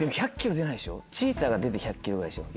チーターが出て１００キロぐらいでしょ。